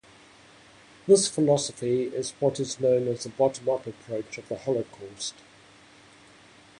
This philosophy is what is known as the bottom-up approach of the Holocaust.